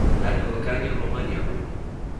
هەر ئەوەکانی ڕۆمانیا بوون.